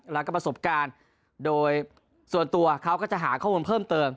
แล้วก็ประสบการณ์โดยส่วนตัวเขาก็จะหาข้อมูลเพิ่มเติม